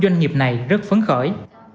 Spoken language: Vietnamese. doanh nghiệp này rất phấn khởi